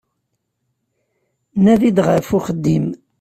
Nadi-d ɣef uxeddim.